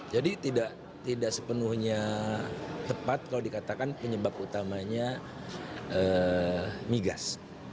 jadi tidak sepenuhnya tepat kalau dikatakan penyebab utamanya migas